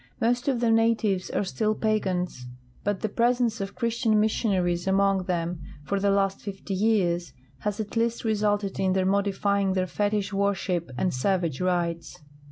Most of the natives are still })agans, but tlie pres ence of Christian missionaries among them for the last fifty years has at least resulted in their modifj'ing their fetich worship and savage rites.